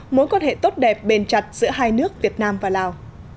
mối quan hệ tốt đẹp bền chặt giữa hai nước việt nam và lào